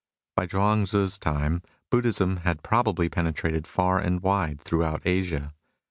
By Chuang Tzu's time Buddhism had probably penetrated far and wide throughout Asia.